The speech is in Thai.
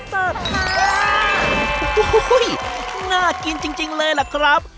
โอ้โหน่ากินจริงเลยล่ะครับ